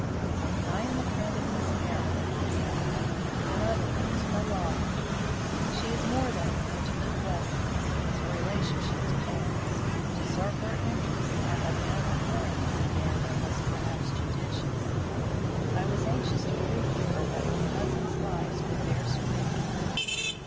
"I am a friend of Miss Meredith," said I; "in other words, her lawyer. She is more than a friend to the Gillespies, as her relationship demands. To serve her interests I have meddled more in this matter than was perhaps judicious. I was anxious to prove to her that her cousins' lives would bear scrutiny."